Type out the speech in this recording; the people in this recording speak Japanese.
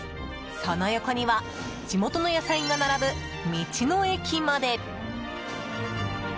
その横には、地元の野菜が並ぶ道の駅まで。